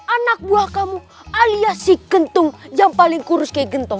anak buah kamu aliyah si kentung yang paling kurus kayak gentong